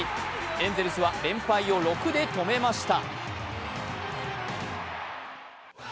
エンゼルスは連敗を６で止めました